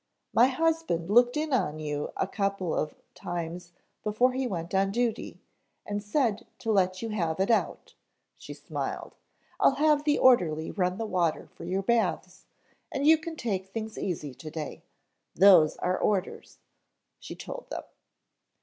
My husband looked in on you a couple of times before he went on duty, and said to let you have it out," she smiled. "I'll have the orderly run the water for your baths and you can take things easy today. Those are orders," she told them.